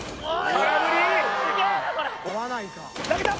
空振り投げた！